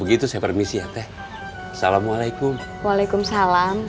itu saya permisi ya teh salamualaikum waalaikumsalam